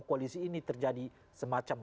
koalisi ini terjadi semacam